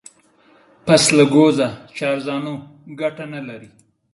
پسله گوزه چارزانو گټه نه لري.